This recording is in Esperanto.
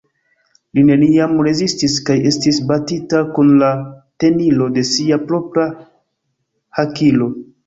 Li neniam rezistis kaj estis batita kun la tenilo de sia propra hakilo.